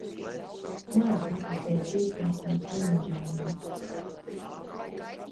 Neesmu apprecējis īsto un to nožēloju.